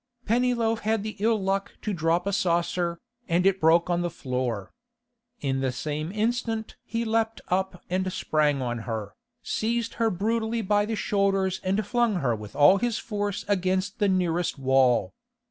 Pennyloaf had the ill luck to drop a saucer, and it broke on the floor. In the same instant he leapt up and sprang on her, seized her brutally by the shoulders and flung her with all his force against the nearest wall.